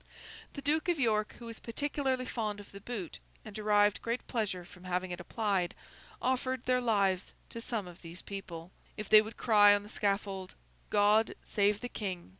The Duke of York, who was particularly fond of the Boot and derived great pleasure from having it applied, offered their lives to some of these people, if they would cry on the scaffold 'God save the King!